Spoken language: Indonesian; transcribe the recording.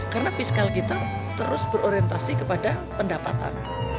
karena fiskal kita terus berorientasi kepada pendapatan